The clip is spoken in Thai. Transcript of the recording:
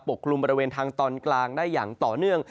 กลุ่มบริเวณทางตอนกลางได้อย่างต่อเนื่อง